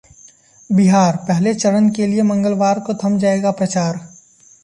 बिहार: पहले चरण के लिए मंगलवार को थम जायेगा प्रचार